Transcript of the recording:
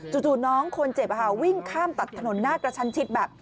จู่น้องคนเจ็บวิ่งข้ามตัดถนนหน้ากระชันชิดแบบ